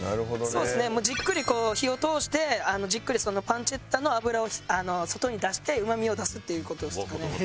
そうですねもうじっくりこう火を通してじっくりパンチェッタの脂を外に出してうまみを出すっていう事ですかね。